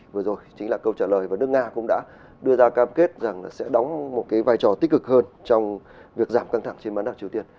vừa rồi chính là câu trả lời và nước nga cũng đã đưa ra cam kết rằng sẽ đóng một cái vai trò tích cực hơn trong việc giảm căng thẳng trên bán đảo triều tiên